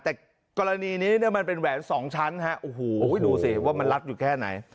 แต่กรณีนี้เนี่ยมันเป็นแหวนสองชั้นฮะโอ้โหดูสิว่ามันรัดอยู่แค่ไหน